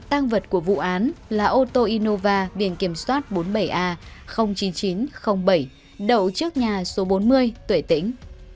tăng vật của vụ án là ô tô innova viện kiểm soát bốn mươi bảy a chín trăm linh bảy đầu trước nhà số bốn mươi tuệ tĩnh